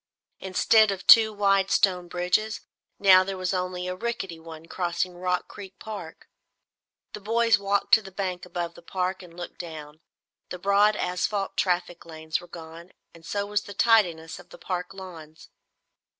Instead of two wide stone bridges, now there was only a rickety one crossing Rock Creek Park. The boys walked to the bank above the park and looked down. The broad asphalt traffic lanes were gone, and so was the tidiness of the park lawns.